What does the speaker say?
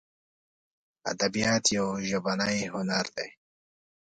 ادبیات یو ژبنی هنر دی.